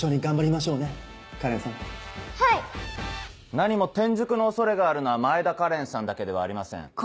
何も転塾の恐れがあるのは前田花恋さんだけではありません。